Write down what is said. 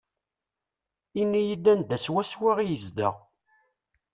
Ini-yi-d anda swaswa i yezdeɣ.